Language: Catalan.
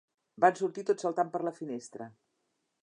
Van sortir tot saltant per la finestra.